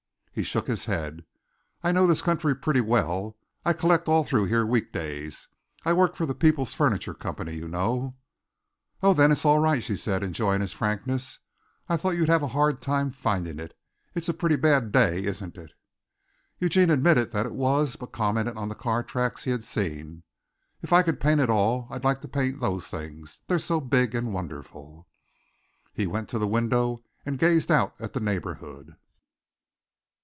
He shook his head. "I know this country pretty well. I collect all through here week days. I work for the Peoples' Furniture Company, you know." "Oh, then it's all right," she said, enjoying his frankness. "I thought you'd have a hard time finding it. It's a pretty bad day, isn't it?" Eugene admitted that it was, but commented on the car tracks he had seen. "If I could paint at all I'd like to paint those things. They're so big and wonderful." He went to the window and gazed out at the neighborhood.